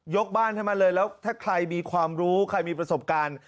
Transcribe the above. บ้านให้มาเลยแล้วถ้าใครมีความรู้ใครมีประสบการณ์